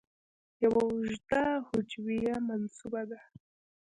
یو اوږده هجویه منسوبه ده.